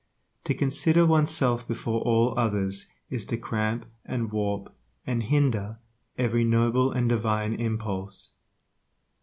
To consider one's self before all others is to cramp and warp and hinder every noble and divine impulse.